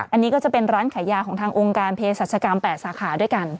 อันนี้ก็จะเป็นร้านขายยาของทางองค์การเพศรัชกรรม๘สาขาด้วยกัน